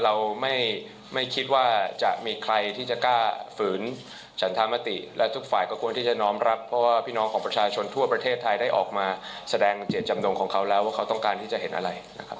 เราไม่คิดว่าจะมีใครที่จะกล้าฝืนฉันธรรมติและทุกฝ่ายก็ควรที่จะน้อมรับเพราะว่าพี่น้องของประชาชนทั่วประเทศไทยได้ออกมาแสดงเจตจำนงของเขาแล้วว่าเขาต้องการที่จะเห็นอะไรนะครับ